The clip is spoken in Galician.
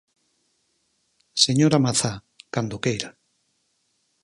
Señora Mazá, cando queira.